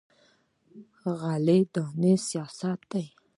غله دانه سیاست دی.